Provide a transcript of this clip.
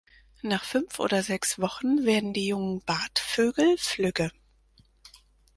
Nach fünf oder sechs Wochen werden die jungen Bartvögel flügge.